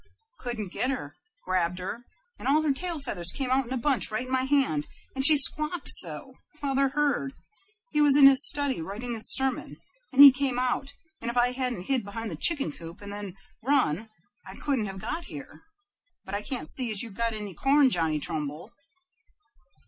"Couldn't get her. Grabbed her, and all her tail feathers came out in a bunch right in my hand, and she squawked so, father heard. He was in his study writing his sermon, and he came out, and if I hadn't hid behind the chicken coop and then run I couldn't have got here. But I can't see as you've got any corn, Johnny Trumbull."